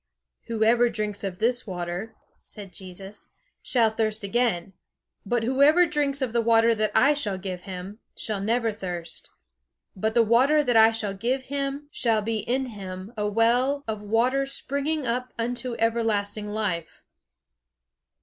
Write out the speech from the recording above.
"Whoever drinks of this water," said Jesus, "shall thirst again, but whoever drinks of the water that I shall give him, shall never thirst; but the water that I shall give him shall be in him a well of water springing up unto everlasting life."